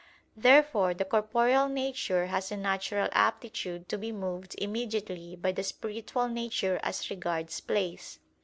Therefore the corporeal nature has a natural aptitude to be moved immediately by the spiritual nature as regards place.